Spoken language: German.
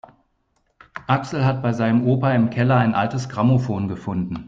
Axel hat bei seinem Opa im Keller ein altes Grammophon gefunden.